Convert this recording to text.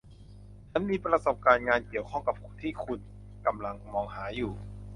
ฉันมีประสบการณ์งานเกี่ยวข้องกับที่คุณกำลังมองหาอยู่